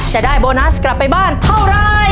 จะได้โบนัสกลับไปบ้านเท่าไร